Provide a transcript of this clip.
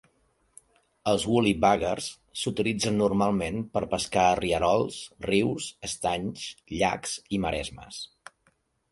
Els "woolly buggers" s'utilitzen normalment per pescar a rierols, rius, estanys, llacs i maresmes.